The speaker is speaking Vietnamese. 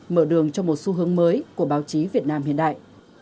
mở đường cho một xu hướng mới của báo chí việt nam hiện đại